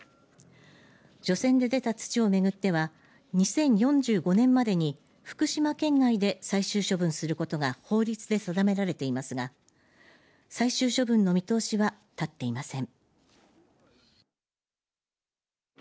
除染で出た土を巡っては２０４５年までに福島県外で最終処分することが法律で定められていますが最終処分の見通しは立っていません。